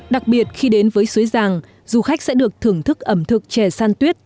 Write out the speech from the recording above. đặc biệt khi đến với xôi giang du khách sẽ được thưởng thức ẩm thực chè san tuyết